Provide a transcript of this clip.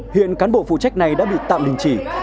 hiện cán bộ phụ trách này đã bị tạm linh trì